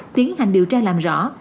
tiến hành điều tra làm rõ